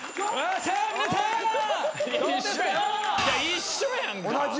一緒やんか。